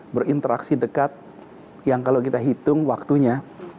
berinteraksi dekat yang kalau kita hitung waktunya